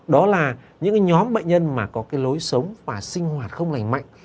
đó là những nhóm bệnh nhân mà có lối sống và sinh hoạt không lành mạnh